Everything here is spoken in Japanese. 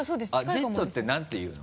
「Ｚ」って何ていうの？